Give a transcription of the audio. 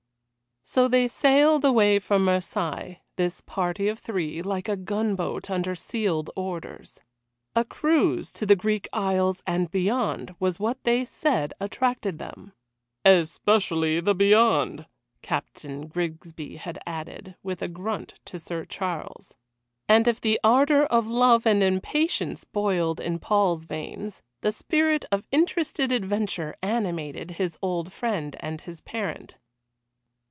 So they sailed away from Marseilles, this party of three, like a gunboat under sealed orders. A cruise to the Greek Isles, and beyond, was what they said attracted them. "Especially the beyond!" Captain Grigsby had added, with a grunt to Sir Charles. And if the ardour of love and impatience boiled in Paul's veins, the spirit of interested adventure animated his old friend and his parent.